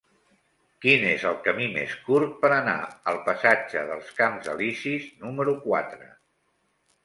Quin és el camí més curt per anar al passatge dels Camps Elisis número quatre?